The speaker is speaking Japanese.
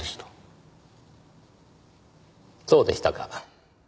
そうでしたか。